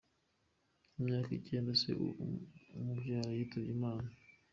Ku myaka icyenda se umubyara yitabye Imana.